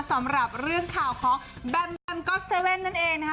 สำหรับเรื่องข่าวของแบมแบมก๊อตเซเว่นนั่นเองนะคะ